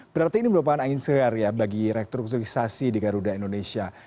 berarti ini merupakan angin segar bagi rektur kulturisasi di garuda indonesia